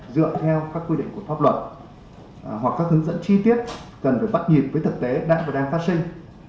dựa theo các quy định của pháp luật hoặc các hướng dẫn chi tiết cần phải bắt nhịp với thực tế đang và đang phát sinh